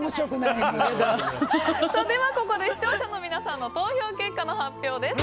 では、ここで視聴者の皆さんの投票結果の発表です。